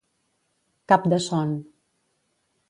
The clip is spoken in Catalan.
Cap de son.